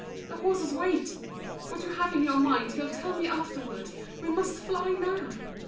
The horses wait. What you have in your mind, You'll tell me afterward. We must fly now.